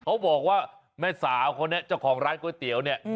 เขาบอกว่าแม่สาวคนนี้เจ้าของร้านก๋วยเตี๋ยวเนี่ย